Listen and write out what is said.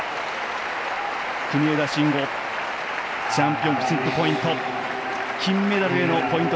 国枝慎吾チャンピオンシップポイント！